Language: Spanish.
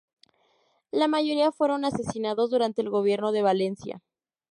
La mayoría fueron asesinados durante el gobierno de Valencia.